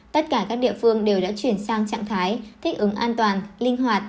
tất cả các địa phương đều đã chuyển sang trạng thái thích ứng an toàn linh hoạt